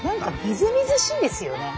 みずみずしいですよね。